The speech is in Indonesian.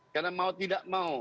karena mau tidak mau